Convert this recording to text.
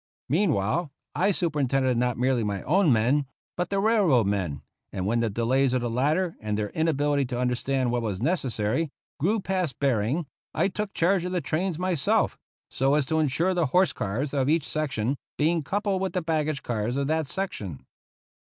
Mean while I superintended not merely my own men, but the railroad men ; and when the delays of the latter, and their inability to understand what was necessary, grew past bearing, I took charge of the trains myself, so as to insure the horse cars of each section being coupled with the baggage cars of that section.